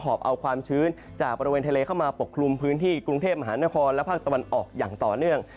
อบเอาความชื้นจากบริเวณทะเลเข้ามาปกคลุมพื้นที่กรุงเทพมหานครและภาคตะวันออกอย่างต่อเนื่อง